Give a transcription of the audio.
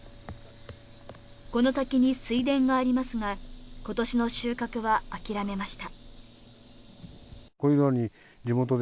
この先に水田がありますが今年の収穫は諦めました